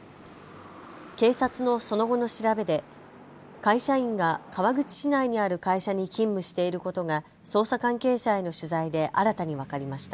警察のその後の調べで会社員が川口市内にある会社に勤務していることが捜査関係者への取材で新たに分かりました。